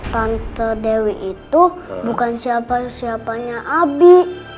tante dewi itu bukan siapa siapanya abi